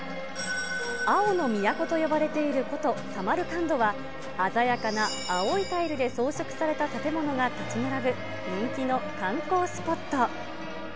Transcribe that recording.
青の都と呼ばれている古都・サマルカンドは、鮮やかな青いタイルで装飾された建物が建ち並ぶ人気の観光スポット。